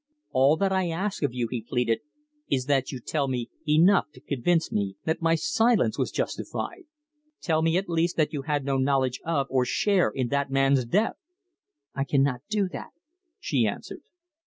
"All that I ask of you," he pleaded, "is that you tell me enough to convince me that my silence was justified. Tell me at least that you had no knowledge of or share in that man's death!" "I cannot do that," she answered.